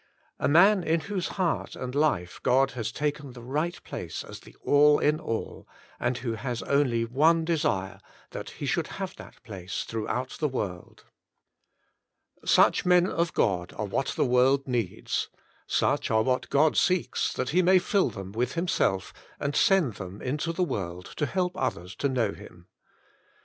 A man in whose heart and life God has taken the right place as the All in All, and who has only one desire, that He should have that place throughout the world. Such men of God are what the world needs; such are what God seeks, that He may fill them with Himself, and send them into the world to help others to know Him.